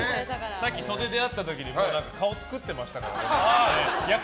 さっき袖で会った時に顔作ってましたね。